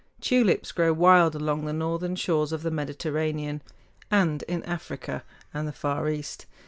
Tulips grow wild along the northern shores of the Mediterranean, and in Africa and the Far East.